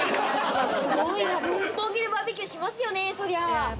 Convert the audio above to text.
六本木でバーベキューしますよね、そりゃ。